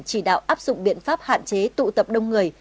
chỉ đạo áp dụng biện pháp hạn chế tụ tập đông người